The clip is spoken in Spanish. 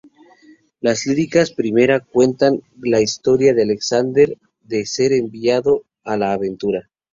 Las líricas primera cuenta la historia de "Alexander" de ser enviado a la aventura.